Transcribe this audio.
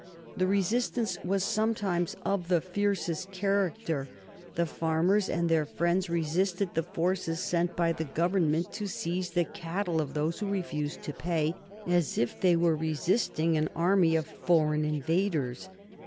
The resistance was sometimes of the fiercest character; the farmers and their friends resisted the forces sent by the Government to seize the cattle of those who refused to pay, as if they were resisting an army of foreign invaders.